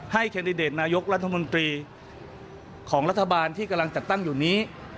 แคนดิเดตนายกรัฐมนตรีของรัฐบาลที่กำลังจัดตั้งอยู่นี้